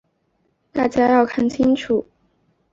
大家要看清楚。